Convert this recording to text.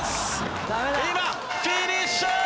今フィニッシュー！